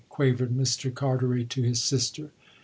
quavered Mr. Carteret to his sister.